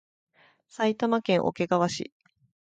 埼玉県桶川市